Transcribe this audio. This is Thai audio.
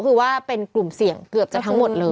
คือว่าเป็นกลุ่มเสี่ยงเกือบจะทั้งหมดเลย